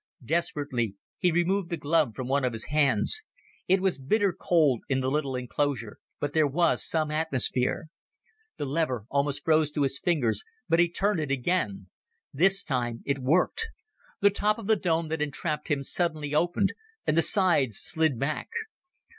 Desperately, he removed the glove from one of his hands. It was bitter cold in the little enclosure, but there was some atmosphere. The lever almost froze to his fingers, but he turned it again. This time it worked. The top of the dome that entrapped him suddenly opened, and the sides slid back.